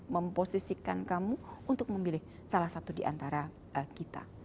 memposisikan kamu untuk memilih salah satu diantara kita